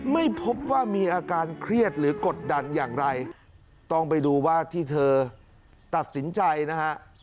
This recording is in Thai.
ไม่พบว่ามีอาการเครียดหรือกดดันอย่างไรต้องไปดูว่าที่เธอตัดสินใจนะฮะ